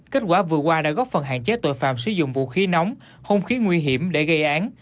kết quả vừa qua đã góp phần hạn chế tội phạm sử dụng vũ khí nóng hông khí nguy hiểm để gây án